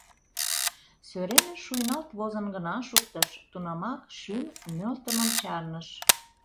Сӧремыш шуйналт возын гына шуктыш — тунамак шӱм нӧлтымым чарныш.